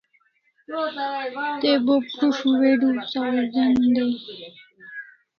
Te bo prus't video sawzen day